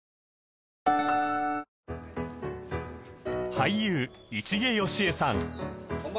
俳優市毛良枝さん